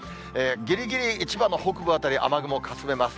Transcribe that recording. ぎりぎり千葉の北部辺り、雨雲、かすめます。